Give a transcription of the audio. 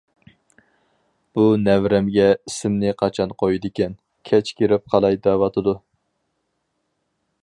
بۇ نەۋرەمگە ئىسىمنى قاچان قويىدىكەن؟ كەچ كىرىپ قالاي دەۋاتىدۇ.